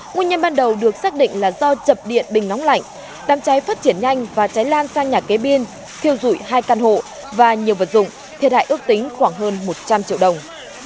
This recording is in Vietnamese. nguyên nhân ban đầu được xác định là do chập điện bình nóng lạnh đám cháy phát triển nhanh và cháy lan sang nhà kế bên thiêu dụi hai căn hộ và nhiều vật dụng thiệt hại ước tính khoảng hơn một trăm linh triệu đồng